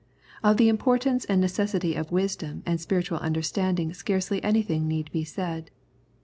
Of the importance and necessity of wisdom and spiritual understanding scarcely anything need be said.